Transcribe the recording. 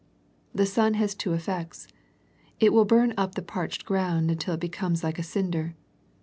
The sun has two effects. It will bum up the parched ground until it be comes like a cinder.